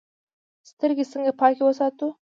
سترګې څنګه پاکې وساتو؟